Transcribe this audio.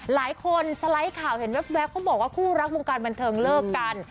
หลายคนสไลด์ข่าวเห็นแว๊บเขาบอกว่าคู่รักวงการบันเทิงเลิกกัน